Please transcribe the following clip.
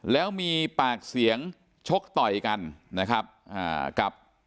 แล้วมีปากเสียงชกต่อยกันนะครับอ่ากับ